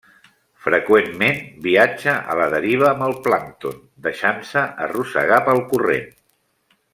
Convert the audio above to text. Freqüentment viatja a la deriva amb el plàncton, deixant-se arrossegar pel corrent.